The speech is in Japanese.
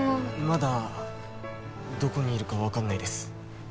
まだどこにいるかわからないです。